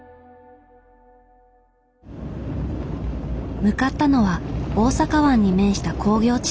向かったのは大阪湾に面した工業地帯。